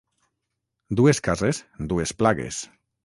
Dues cases, dues plagues.